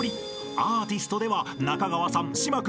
［アーティストでは中川さん島君